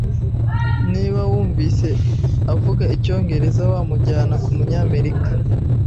Niba wumvise avuga icyongereza, wamujyana kumunyamerika.